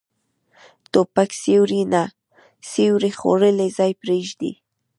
توپک سیوری نه، سیوری خوړلی ځای پرېږدي.